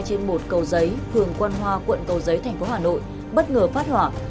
phường quân hoa quận cầu giấy thành phố hà nội bất ngờ phát hỏa